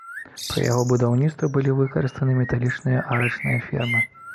Пры яго будаўніцтве былі выкарыстаны металічныя арачныя фермы.